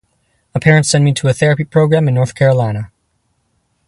My parents send me to a therapy program in North Carolina.